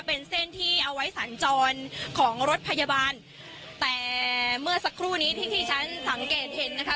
เป็นเส้นที่เอาไว้สัญจรของรถพยาบาลแต่เมื่อสักครู่นี้ที่ที่ฉันสังเกตเห็นนะคะ